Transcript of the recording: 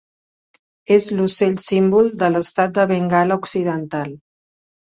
És l'ocell símbol de l'estat de Bengala Occidental.